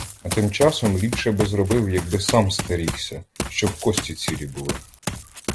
А тим часом ліпше би зробив, якби сам стерігся, щоб кості цілі були.